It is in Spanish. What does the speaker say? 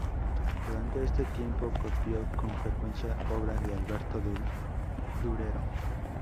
Durante este tiempo copió con frecuencia obras de Alberto Durero.